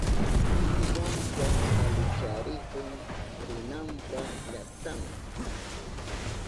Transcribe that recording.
Juanka alicharihun rinanpa llaktama.